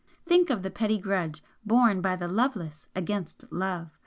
Think of the petty grudge borne by the loveless against Love!